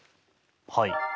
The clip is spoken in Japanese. はい。